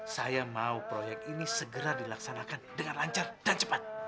saya mau proyek ini segera dilaksanakan dengan lancar dan cepat